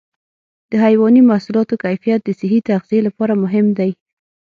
د حيواني محصولاتو کیفیت د صحي تغذیې لپاره مهم دی.